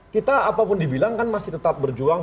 kita apapun dibilang kan masih tetap berjuang